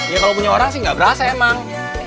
ya kalau punya orang sih gak berasa emang